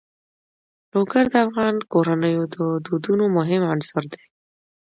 لوگر د افغان کورنیو د دودونو مهم عنصر دی.